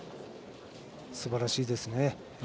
すばらしいですね。